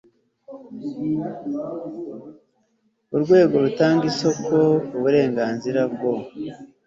urwego rutanga isoko uburenganzira bwo